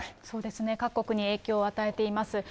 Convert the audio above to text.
そうですね、各国に影響を与えています。